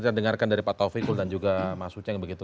kita dengarkan dari pak taufikul dan juga mas uceng begitu